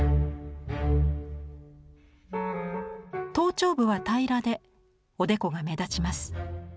頭頂部は平らでおでこが目立ちます。